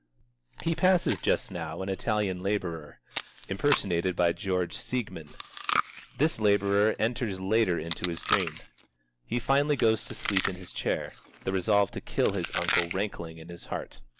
He passes just now an Italian laborer (impersonated by George Seigmann). This laborer enters later into his dream. He finally goes to sleep in his chair, the resolve to kill his uncle rankling in his heart.